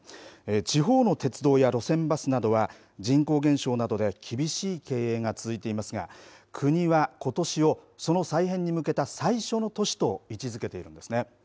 地方の鉄道や路線バスなどは人口減少などで厳しい経営が続いていますが国はことしをその再編に向けた最初の年と位置づけているんですね。